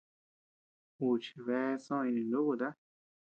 Juchi bea soʼö jinenúkuta.